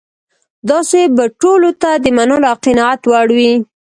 داسې به ټولو ته د منلو او قناعت وړ وي.